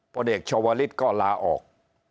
พลเอกชาวลิศก็ลาออก